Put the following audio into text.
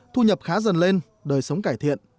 thu nhập khá dần lên đời sống cải thiện